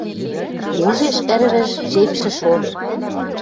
Ужеш Ӹрвӹж — жепшӹ шон